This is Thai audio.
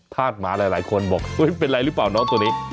ธาตุหมาหลายคนบอกเป็นไรหรือเปล่าน้องตัวนี้